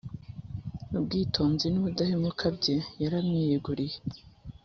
ubwitonzi n’ubudahemuka bye, yaramwiyeguriye,